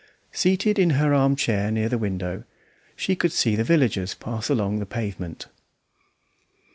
Seated in her arm chair near the window, she could see the villagers pass along the pavement.